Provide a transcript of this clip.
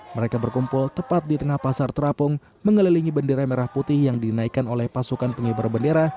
mereka berkumpul tepat di tengah pasar terapung mengelilingi bendera merah putih yang dinaikkan oleh pasukan pengibar bendera